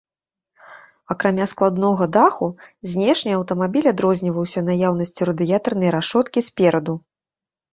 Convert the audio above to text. Акрамя складнога даху, знешне аўтамабіль адрозніваўся наяўнасцю радыятарнай рашоткі спераду.